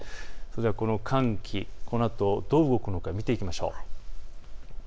この寒気このあとどう動くのか見ていきましょう。